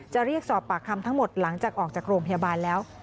เรียกสอบปากคำทั้งหมดหลังจากออกจากโรงพยาบาลแล้ว